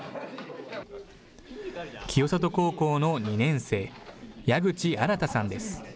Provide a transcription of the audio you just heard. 清里高校の２年生、矢口新大さんです。